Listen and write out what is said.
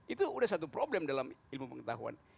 itu sudah satu problem dalam ilmu pengetahuan